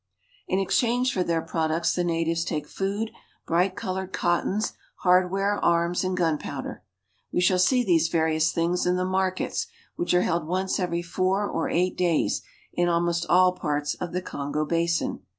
In exchange for their products the natives take food, bright colored cottons, hardware, arms, and gunpowder. We shall see these various things in the markets, which are held once every four or eight days in almost all parts of the Kongo basin.